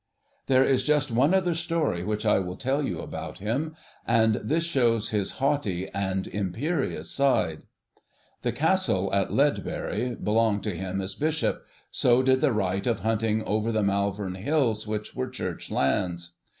There is just one other story which I will tell you about him, and this shows his haughty and imperious side. The Castle at Ledbury belonged to him as Bishop, so did the right of hunting over the Malvern Hills, which were Church lands.